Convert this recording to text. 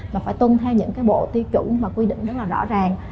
mà phải tuân theo những bộ tiêu chuẩn và quy định rất rõ ràng